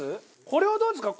これをどうですか？